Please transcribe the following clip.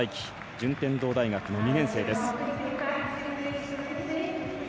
順天堂大学の２年生です。